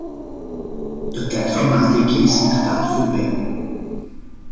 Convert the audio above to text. De tijd van nadenken is inderdaad voorbij.